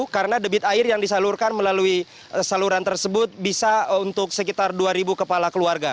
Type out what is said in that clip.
karena debit air yang disalurkan melalui saluran tersebut bisa untuk sekitar dua kepala keluarga